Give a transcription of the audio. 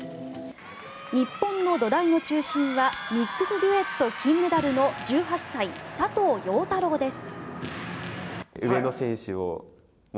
日本の土台の中心はミックスデュエット金メダルの１８歳、佐藤陽太郎です。